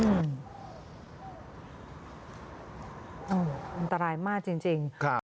อุ้ยอันตรายมากจริง